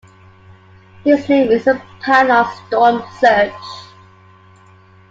His name is a pun on storm surge.